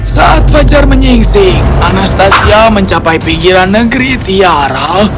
saat fajar menyingsing anastasia mencapai pinggiran negeri tiara